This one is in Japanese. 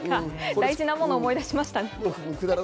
大事なものを思い出しましたかね。